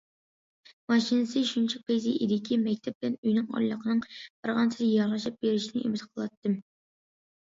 ماشىنىسى شۇنچىلىك پەيزى ئىدىكى، مەكتەپ بىلەن ئۆينىڭ ئارىلىقىنىڭ بارغانسېرى يىراقلىشىپ بېرىشىنى ئۈمىد قىلاتتىم.